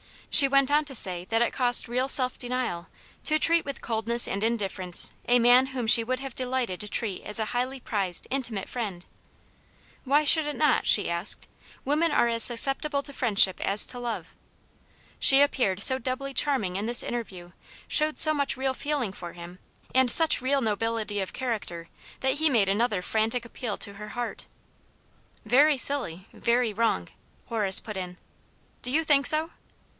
! She went on to say that it cost real self denial to treat with coldness and indifference a man whom she would have delighted to treat as a highly prized, intimate friend. ' Why should it not }' she asked. ' Women are as susceptible to friendship as to love.' She appeared so doubly charming in this interview, showed so much real feeling for him, and such real nobility of character, that he made another frantic appeal to her heart." "Very silly — very wrong !" Horace put in. " Do you think so